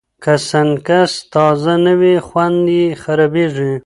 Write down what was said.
که سنکس تازه نه وي، خوند یې خرابېږي.